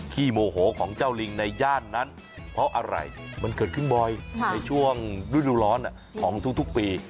โมโหของเจ้าลิงในย่านนั้นเพราะอะไรมันเกิดขึ้นบ่อยในช่วงฤดูร้อนของทุกปี